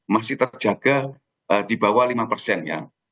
masih terjaga di bawah lima persennya